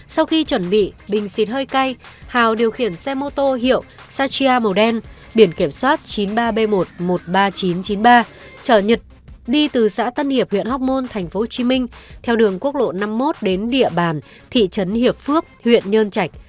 sau khi chuẩn bị bình xịt hơi cay hào điều khiển xe mô tô hiệu sacia màu đen biển kiểm soát chín mươi ba b một một mươi ba nghìn chín trăm chín mươi ba trở nhật đi từ xã tân hiệp huyện hóc môn tp hcm theo đường quốc lộ năm mươi một đến địa bàn thị trấn hiệp phước huyện nhơn trạch